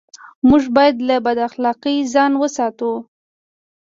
موږ بايد له بد اخلاقۍ ځان و ساتو.